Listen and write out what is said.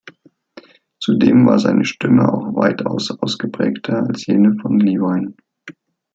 Zudem war seine Stimme auch weitaus ausgeprägter als jene von Levine.